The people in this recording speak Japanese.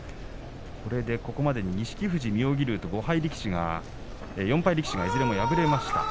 これで、ここまで錦富士、妙義龍と４敗力士、いずれも敗れました。